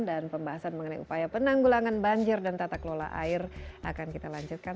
dan pembahasan mengenai upaya penanggulangan banjir dan tata kelola air akan kita lanjutkan